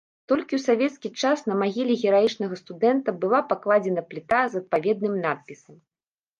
Толькі ў савецкі час на магіле гераічнага студэнта была пакладзена пліта з адпаведным надпісам.